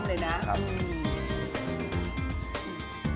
เพราะฉะนั้นถ้าใครอยากทานเปรี้ยวเหมือนโป้แตก